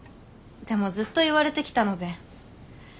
でもずっと言われてきたので。